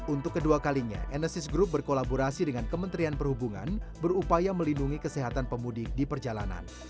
untuk kedua kalinya enesis group berkolaborasi dengan kementerian perhubungan berupaya melindungi kesehatan pemudik di perjalanan